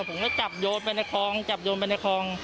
ผมก็จับโยนไปในคลองจับโยนไปในคลอง